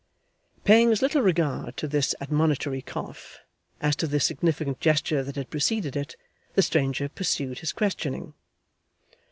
Paying as little regard to this admonitory cough, as to the significant gesture that had preceded it, the stranger pursued his questioning.